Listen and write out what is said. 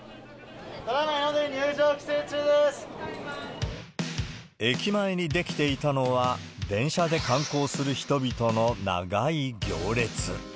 ただいま江ノ電、駅前に出来ていたのは、電車で観光する人々の長い行列。